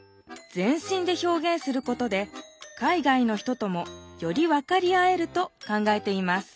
全身で表現することで海外の人ともより分かり合えると考えています